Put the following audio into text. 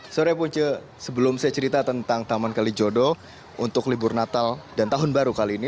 sore punce sebelum saya cerita tentang taman kalijodo untuk libur natal dan tahun baru kali ini